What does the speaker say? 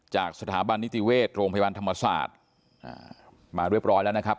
จากสถาบันนิติเวชโรงพยาบาลธรรมศาสตร์มาเรียบร้อยแล้วนะครับ